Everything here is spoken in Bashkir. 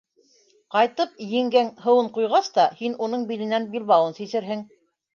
Ҡайтып, еңгәң һыуын ҡуйғас та, һин уның биленән билбауын сисерһең.